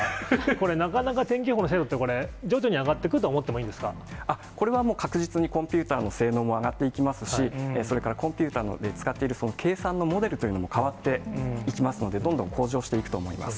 これ、なかなか天気予報の精度って徐々に上がってくると思っていこれはもう、確実にコンピューターの性能も上がっていきますし、それから、コンピューターで使っている計算のモデルというのも変わっていきますので、どんどん向上していくと思います。